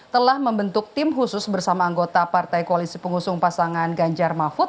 telah membentuk tim khusus bersama anggota partai koalisi pengusung pasangan ganjar mahfud